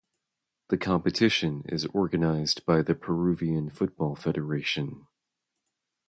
The competition is organised by the Peruvian Football Federation.